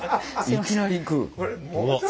いきなりいく。